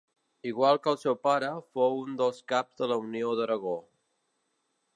Igual que el seu pare, fou un dels caps de la Unió d'Aragó.